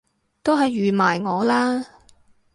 都係預埋我啦！